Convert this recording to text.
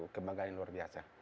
kebanggaan yang luar biasa